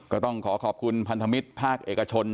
ก็ต้องขอขอบคุณพันธมิตรภาคเอกชน